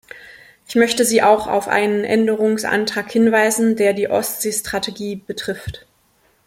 Ich möchte Sie auch auf einen Änderungsantrag hinweisen, der die Ostsee-Strategie betrifft.